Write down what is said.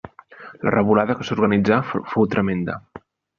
La revolada que s'organitzà fou tremenda.